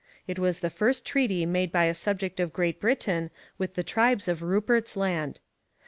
It was the first treaty made by a subject of Great Britain with the tribes of Rupert's Land.